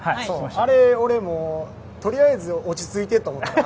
あれ、俺とりあえず落ち着いてと。